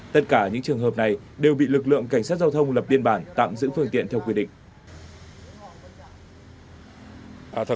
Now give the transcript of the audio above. tất cả những trường hợp này đều bị lực lượng cảnh sát giao thông lập biên bản tạm giữ phương tiện theo quy định